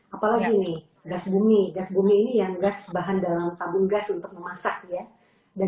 apalagi nih gas bumi gas bumi ini yang gas bahan dalam tabung gas untuk memasak ya